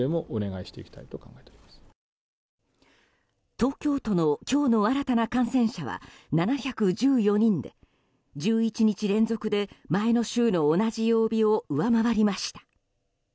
東京都の今日の新たな感染者は７１４人で１１日連続で前の週の同じ曜日を上回りました。